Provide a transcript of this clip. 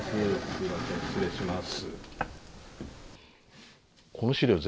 すみません失礼します。